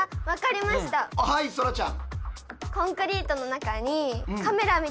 はいそらちゃん。